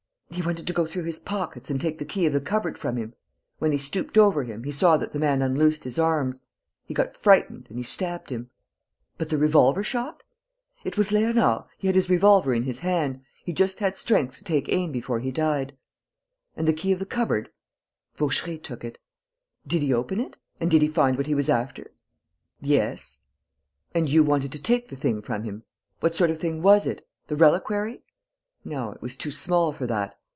"He wanted to go through his pockets and take the key of the cupboard from him. When he stooped over him, he saw that the man unloosed his arms. He got frightened ... and he stabbed him...." "But the revolver shot?" "It was Léonard ... he had his revolver in his hand ... he just had strength to take aim before he died...." "And the key of the cupboard?" "Vaucheray took it...." "Did he open it?" "And did he find what he was after?" "Yes." "And you wanted to take the thing from him. What sort of thing was it? The reliquary? No, it was too small for that....